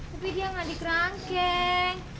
tapi dia nggak dikerangkeng